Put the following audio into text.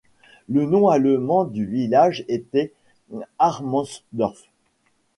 Le nom allemand du village était Hartmannsdorf.